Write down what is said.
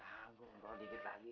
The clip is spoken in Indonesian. eh kagum kok dikit lagi